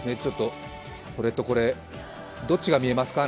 これとこれ、どっちが見えますか？